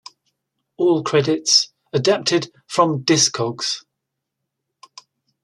All credits adapted from Discogs.